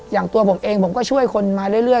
อย่างตัวผมเองผมก็ช่วยคนมาเรื่อย